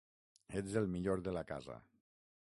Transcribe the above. Ets el millor de la casa.